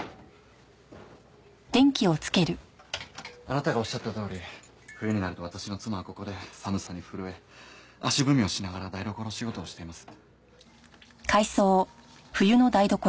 あなたがおっしゃったとおり冬になると私の妻はここで寒さに震え足踏みをしながら台所仕事をしています。